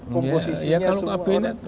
komposisinya ya kalau kabinet